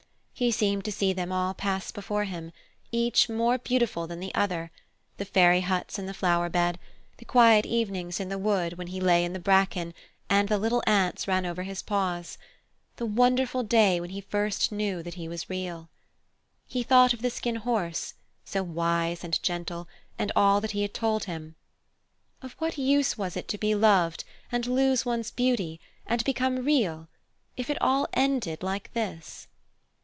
He seemed to see them all pass before him, each more beautiful than the other, the fairy huts in the flower bed, the quiet evenings in the wood when he lay in the bracken and the little ants ran over his paws; the wonderful day when he first knew that he was Real. He thought of the Skin Horse, so wise and gentle, and all that he had told him. Of what use was it to be loved and lose one's beauty and become Real if it all ended like this?